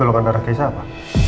gelokan darah keisha apa